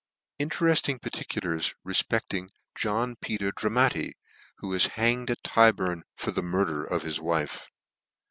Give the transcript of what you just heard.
Interefting Particulars refpecling JOHN PETER DRAMATTI, who was hanged at Tyburn for the Murder of his Wife.